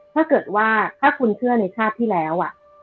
ถ้าเกิดว่าถ้าคุณเชื่อในชาติที่แล้ว